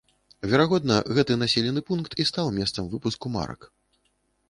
Верагодна, гэты населены пункт і стаў месцам выпуску марак.